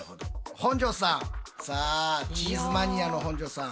本上さんさあチーズマニアの本上さん。